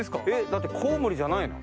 だってコウモリじゃないの？